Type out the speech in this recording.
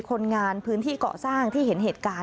คนงานพื้นที่เกาะสร้างที่เห็นเหตุการณ์